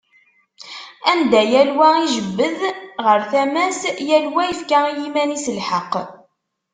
Anda yal wa ijebbed ɣer tama-s, yal wa yefka i yiman-is lḥeqq.